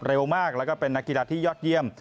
เร็วมากแล้วก็เป็นนักกีฬาที่ยอดเยี่ยม